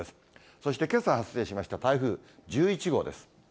そしてけさ発生しました台風１１号です。